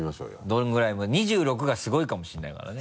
どのぐらい２６がすごいかもしれないからね